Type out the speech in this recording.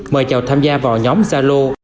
mời chào tham gia vào nhóm zalo